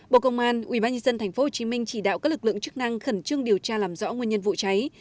bộ công an ubnd tp hcm chỉ đạo các lực lượng chức năng khẩn trương điều tra làm rõ nguyên nhân vụ cháy